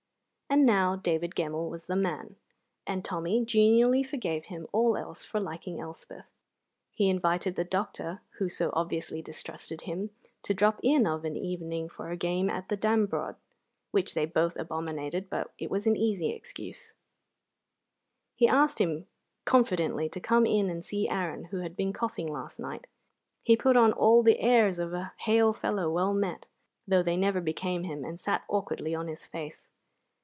And now David Gemmell was the man, and Tommy genially forgave him all else for liking Elspeth. He invited the doctor, who so obviously distrusted him, to drop in of an evening for a game at the dambrod (which they both abominated, but it was an easy excuse); he asked him confidentially to come in and see Aaron, who had been coughing last night; he put on all the airs of a hail fellow well met, though they never became him, and sat awkwardly on his face.